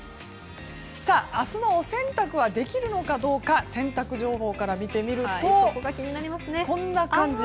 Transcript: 明日のお洗濯はできるのかどうか洗濯情報を見てみるとこんな感じ。